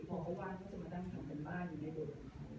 พอว่าเขาจะมาตั้งคำเป็นบ้านอยู่ในบทของเขา